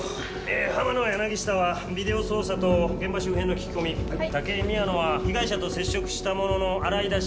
野柳下はビデオ捜査と現場周辺の聞き込み武井宮野は被害者と接触した者の洗い出し